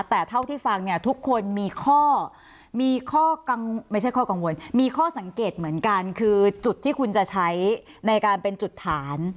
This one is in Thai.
แต่เท่าที่ฟังเนี่ยทุกคนมีข้อสังเกตเหมือนกันคือจุดที่คุณจะใช้ในการเป็นจุดฐาน